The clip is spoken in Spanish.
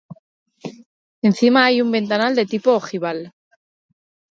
Encima hay un ventanal de tipo ojival.